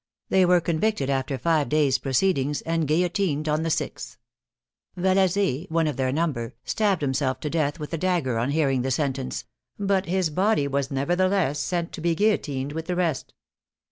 They were convicted after five days' proceedings, and guillotined on the sixth. Valaze, one of their number, stabbed himself to death with a dagger on hearing the sentence, but his body was nevertheless sent to be guillotined with the rest.